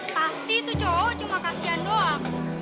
pasti itu cowok cuma kasihan doang